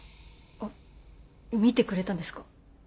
あっ見てくれたんですか？